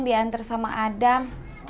dianter sama adam